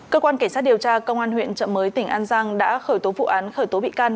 cơ quan cảnh sát điều tra công an huyện trợ mới tỉnh an giang đã khởi tố vụ án khởi tố bị can